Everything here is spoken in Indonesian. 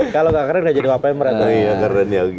kalau gak keren udah jadi wapen merah